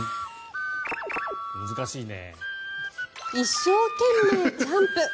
一生懸命ジャンプ。